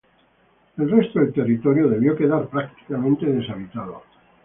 El resto del territorio debió quedar prácticamente deshabitado.